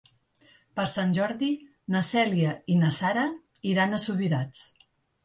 Per Sant Jordi na Cèlia i na Sara iran a Subirats.